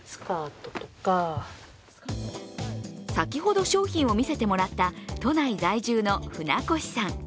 先ほど、商品を見せてもらった都内在住の船越さん。